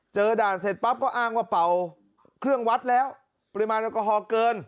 ด่านเสร็จปั๊บก็อ้างว่าเป่าเครื่องวัดแล้วปริมาณแอลกอฮอลเกิน